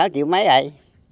sáu triệu mấy vậy